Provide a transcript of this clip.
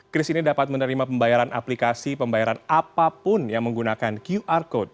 kris ini dapat menerima pembayaran aplikasi pembayaran apapun yang menggunakan qr code